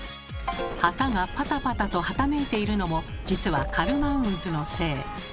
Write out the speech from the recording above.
旗がパタパタとはためいているのも実はカルマン渦のせい。